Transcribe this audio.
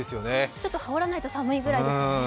ちょっと羽織らないと寒いぐらいですね。